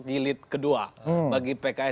gilid kedua bagi pks